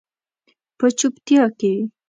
په چوپتیا کې